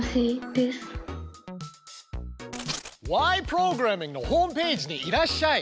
プログラミング」のホームページにいらっしゃい。